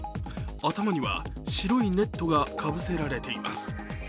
頭には白いネットがかぶせられています。